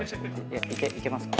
いけますか？